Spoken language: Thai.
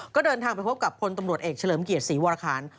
ก็เดินทางไปพบกับพลตำรวจเอกเฉลิมเกียรติศรีวรคาร